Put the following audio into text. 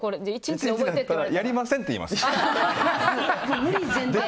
やりませんって言います。